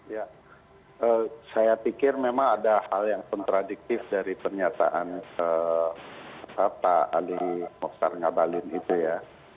ya saya pikir memang ada hal yang kontradiktif dari pernyataan pak ali mokhtar ngabalin itu ya